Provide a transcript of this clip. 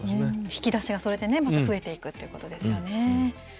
引き出しが、それでまた増えていくっていうことですよね。